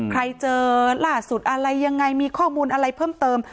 ใครเจอล่าสุดอะไรยังไงมีข้อมูลอะไรเพิ่มเติม